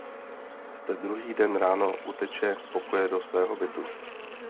Ste druhý den ráno uteče z pokoje do svého bytu.